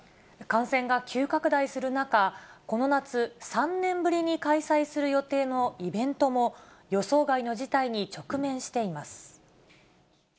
感染が急拡大する中、この夏、３年ぶりに開催する予定のイベントも、予想外の事態に直面しています。